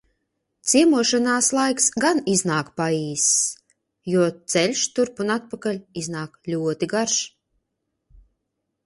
Ciemošanās laiks gan iznāk paīss, jo ceļš turp un atpakaļ iznāk ļoti garš.